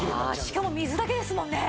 しかも水だけですもんね。